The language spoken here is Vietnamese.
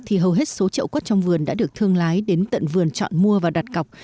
thì hầu hết số trậu quất trong vườn đã được thương lái đến tận vườn chọn mua và đặt cọc